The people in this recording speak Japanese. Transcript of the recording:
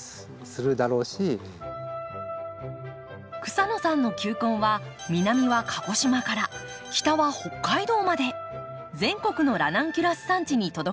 草野さんの球根は南は鹿児島から北は北海道まで全国のラナンキュラス産地に届けられています。